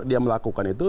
dia melakukan itu